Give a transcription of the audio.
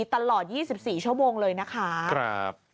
ตลอด๒๔ชั่วโมงเลยนะคะ